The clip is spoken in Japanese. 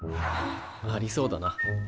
ありそうだな。